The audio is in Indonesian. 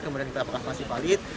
kemudian kita apakah masih valid